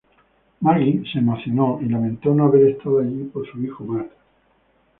Maggie se emocionó y lamentó no haber estado allí por su hijo Matt.